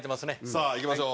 さあいきましょう。